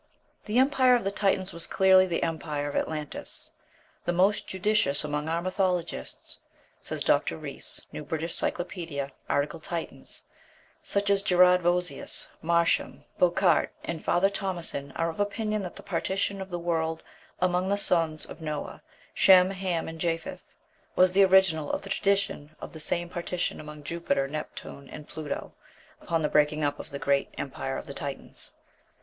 The empire of the Titans was clearly the empire of Atlantis. "The most judicious among our mythologists" (says Dr. Rees, "New British Cyclopædia," art. Titans) "such as Gerard Vossius, Marsham, Bochart, and Father Thomassin are of opinion that the partition of the world among the sons of Noah Shem, Ham, and Japheth was the original of the tradition of the same partition among Jupiter, Neptune, and Pluto," upon the breaking up of the great empire of the Titans.